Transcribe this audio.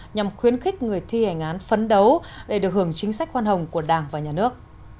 nhằm khuyến khích người thi hành án phấn đấu để được hưởng chính sách khoan hồng của đảng và nhà nước